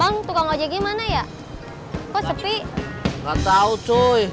bang dukung aja gimana ya rm empat puluh lima brutal